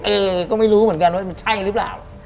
เอก็ไม่รู้เหมือนกันว่ามันใช่หรือเปล่า